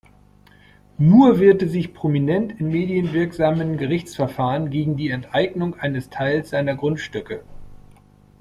Muhr wehrte sich prominent in medienwirksamen Gerichtsverfahren gegen die Enteignung eines Teils seiner Grundstücke.